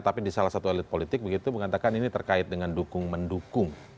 tapi di salah satu elit politik begitu mengatakan ini terkait dengan dukung mendukung